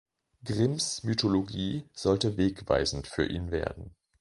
Grimms Mythologie sollte wegweisend für ihn werden.